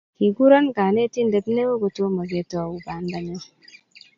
Kikuro kanetindet neo kotomo ketou banda nyo